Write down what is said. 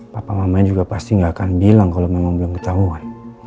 papa mama juga pasti nggak akan bilang kalau memang belum ketahuan